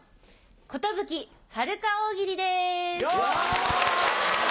寿はるか大喜利です。